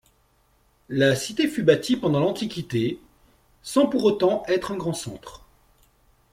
La cité fut bâtie pendant l’Antiquité, sans pour autant être un grand centre.